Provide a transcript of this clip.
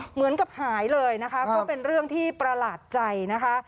เหมือนกับหายเลยนะคะก็เป็นเรื่องที่ประหลาดใจนะคะ